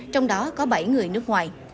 trong đó có bảy người nước ngoài